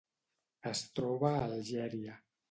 Es troba a Algèria.